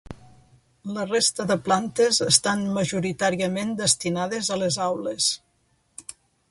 La resta de plantes estan majoritàriament destinades a les aules.